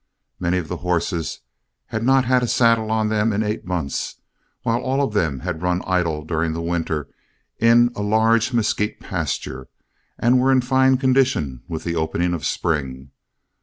Many of the horses had not had a saddle on them in eight months, while all of them had run idle during the winter in a large mesquite pasture and were in fine condition with the opening of spring.